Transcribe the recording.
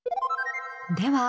では